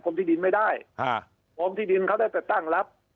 กรมที่ดินไม่ได้อ่ากรมที่ดินเขาได้แต่ตั้งรับ